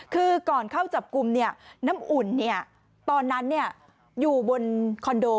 คือก่อนเข้าจับกลุ่มน้ำอุ่นตอนนั้นอยู่บนคอนโด